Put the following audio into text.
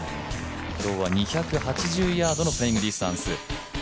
今日は２８０ヤードのフライングディスタンス。